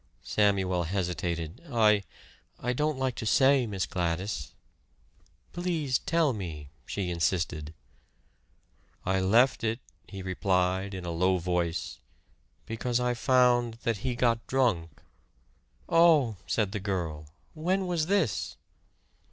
Samuel hesitated. "I I don't like to say, Miss Gladys." "Please tell me," she insisted. "I left it," he replied in a low voice, "because I found that he got drunk." "Oh!" said the girl, "when was this?"